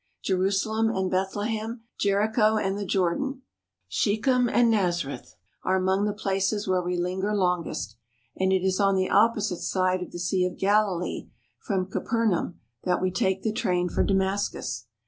Jerusalem and Bethlehem, Jericho and the Jordan, Shechem and Nazareth are among the places where we linger longest, and it is on the opposite side of the Sea of Galilee from Capernaum that we take the train for Damascus.